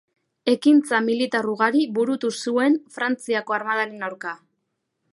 Ekintza militar ugari burutu zuen Frantziako armadaren aurka.